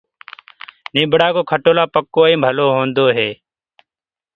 نيٚڀڙآ ڪو کٽولآ پڪو ائينٚ ڀلو هونٚدو هي